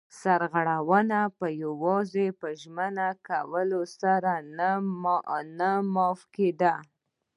سرغړونکی به یوازې په ژمنه کولو سره معاف کېده.